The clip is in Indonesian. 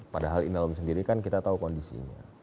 padahal inalum sendiri kan kita tahu kondisinya